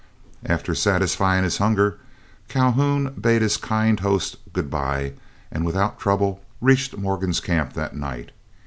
After satisfying his hunger, Calhoun bade his kind host good bye, and without trouble reached Morgan's camp that night.